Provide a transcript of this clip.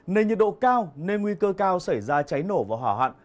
nền nhiệt độ cao nên nguy cơ cao xảy ra cháy nổ và hỏa hoạn